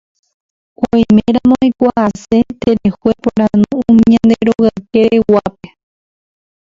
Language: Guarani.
oiméramo eikuaase tereho eporandu umi ñande rogaykereguápe